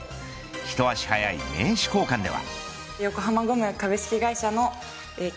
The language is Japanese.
一足早い名刺交換では。